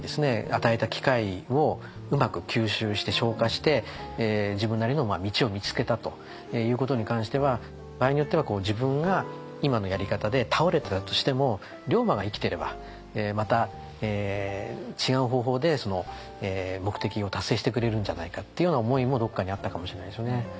与えた機会をうまく吸収して消化して自分なりの道を見つけたということに関しては場合によっては自分が今のやり方で倒れたとしても龍馬が生きてればまた違う方法でその目的を達成してくれるんじゃないかっていうような思いもどっかにあったかもしれないですよね。